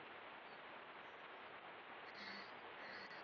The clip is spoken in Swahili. Hatua kubwa ya uharibifu ilikuwa kufukuza watu wote